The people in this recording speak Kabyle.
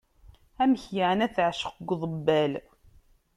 Amek yeɛni ara teɛceq deg uḍebbal!